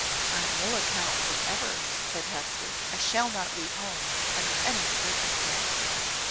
"On no account whatever," said Hester. "I shall not leave home, under any circumstances."